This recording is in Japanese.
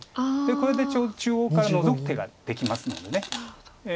これでちょうど中央からノゾく手ができますので。